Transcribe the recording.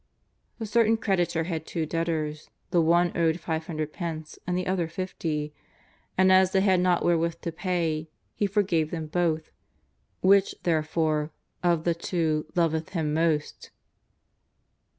"A certain creditor had two debtors, the one owed five hundred pence and the other fifty. And as they had not wherewith to pay, he forgave them both. Which, therefore, of the two loveth him most